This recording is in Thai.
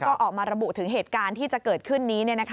ก็ออกมาระบุถึงเหตุการณ์ที่จะเกิดขึ้นนี้